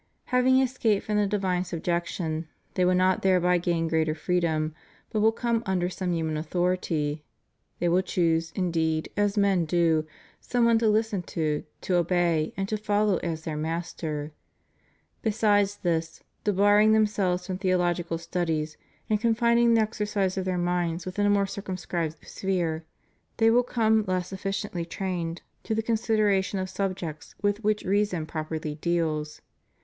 Having escaped from the divine subjection, they will not thereby gain greater freedom; but will come under some human authority; they will choose, indeed, as men do, some one to listen to, to obey, and to follow as their master. Besides this, debarring themselves from theological studies and confining the exercise of their minds within a more circumscribed sphere, they will come less efficiently trained to the consideration * 2 Cor. z. 5. ' John vUL 33. CHRIST OUR REDEEMER. 473 of subjects with which reason properly deals.